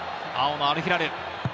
青のアルヒラル。